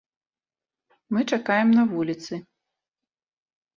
Мы чакаем на вуліцы.